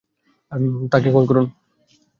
তাকে কল করুন।